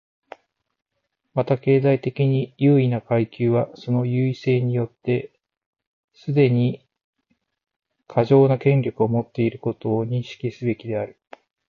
また、経済的に優位な階級はその優位性によってすでに過剰な権力を持っていることを認識すべきである。